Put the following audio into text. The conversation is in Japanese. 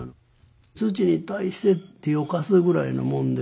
土に対して手を貸すぐらいのもんで。